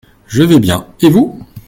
Je vais bien et vous ?